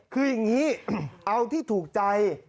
คืออย่างนี้เอาที่ถูกใจ